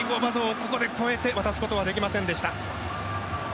ここを越えて渡すことはできませんでした。